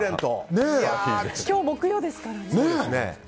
今日、木曜日ですからね。